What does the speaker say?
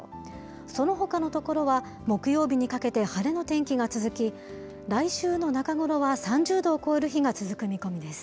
そのほかの所は、木曜日にかけて晴れの天気が続き、来週の中頃は３０度を超える日が続く見込みです。